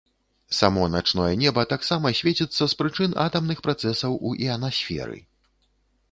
Само начное неба таксама свеціцца з прычын атамных працэсаў у іанасферы.